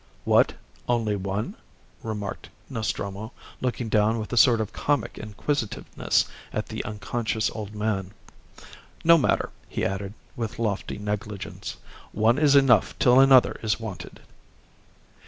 "What, only one?" remarked Nostromo, looking down with a sort of comic inquisitiveness at the unconscious old man. "No matter," he added, with lofty negligence; "one is enough till another is wanted."